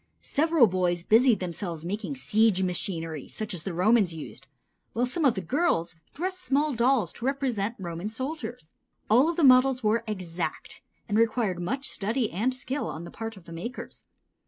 Several boys busied themselves making siege machinery such as the Romans used, while some of the girls dressed small dolls to represent Roman soldiers. All of these models were exact and required much study and skill on the part of the makers.